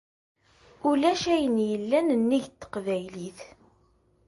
Ulac ayen yellan nnig n teqbaylit!